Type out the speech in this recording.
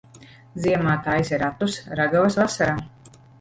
Ziemā taisi ratus, ragavas vasarā.